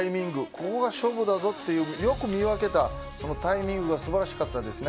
ここが勝負だぞとよく見分けたそのタイミングが素晴らしかったです。